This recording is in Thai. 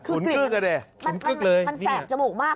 กลุ่นกลื้องก็ได้มันแสบจมูกมาก